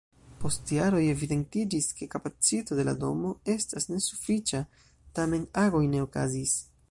Post jaroj evidentiĝis, ke kapacito de la domo estas nesufiĉa, tamen agoj ne okazis.